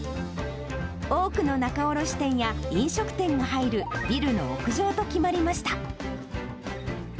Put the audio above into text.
多くの仲卸店や飲食店が入るビルの屋上と決まりました。